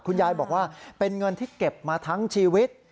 คุณยายบอกว่าเป็นเงินที่เก็บมาทั้งชีวิต